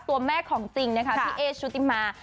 ตัวแม่ของจริงพี่เอชุติมา